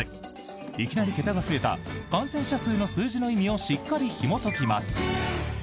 いきなり桁が増えた感染者数の数字の意味をしっかりひも解きます。